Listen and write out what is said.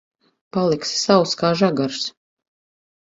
Paliksi sauss kā žagars.